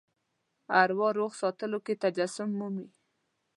اروا روغ ساتلو کې تجسم مومي.